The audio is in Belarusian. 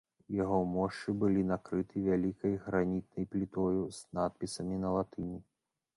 Яго мошчы былі накрыты вялікай гранітнай плітою з надпісамі на латыні.